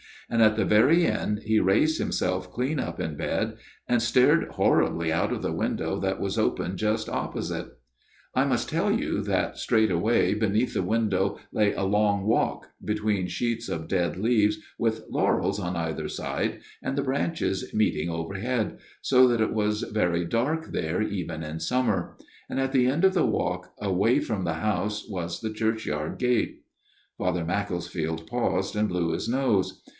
And at the very end he raised himself clean up in bed, and stared horribly out of the window that was open just opposite. " I must tell you that straight away beneath the window lay a long walk, between sheets of dead leaves with laurels on either side, and the branches meeting overhead, so that it was very dark there even in summer ; and at the end of the walk away from the house was the churchyard gate." Father Macclesfield paused and blew his nose.